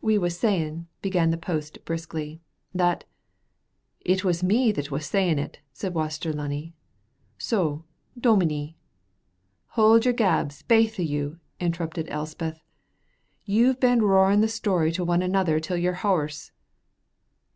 "We was saying," began the post briskly, "that " "It was me that was saying it," said Waster Lunny. "So, Dominie " "Haud your gabs, baith o' you," interrupted Elspeth. "You've been roaring the story to one another till you're hoarse."